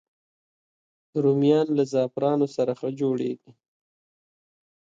رومیان له زعفرانو سره ښه جوړېږي